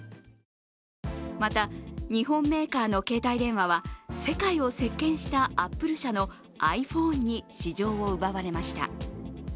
また、日本メーカーの携帯電話は世界を席巻したアップル社のｉＰｈｏｎｅに市場を奪われました。